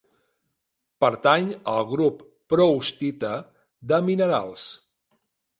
Pertany al grup proustita de minerals.